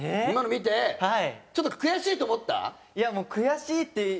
今の見てちょっと悔しいと思った？